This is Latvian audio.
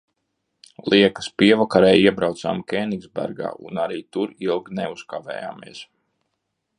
Liekas, pievakarē iebraucām Keningsbergā un arī tur ilgi neuzkavējamies.